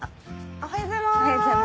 おはようございます。